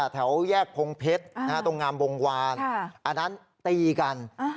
แถวแยกพงเพชรตรงงามวงวานอันนั้นตีกัน